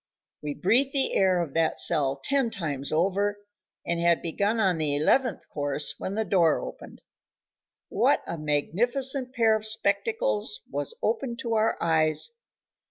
We breathed the air of that cell ten times over, and had begun on the eleventh course when the door opened. What a magnificent pair of spectacles was open to our eyes!